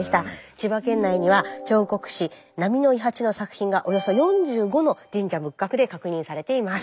千葉県内には彫刻師波の伊八の作品がおよそ４５の神社仏閣で確認されています。